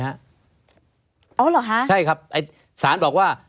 อ๋อเหรอฮะใช่ครับไอ้สารบอกว่า